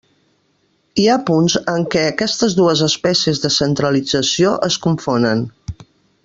Hi ha punts en què aquestes dues espècies de centralització es confonen.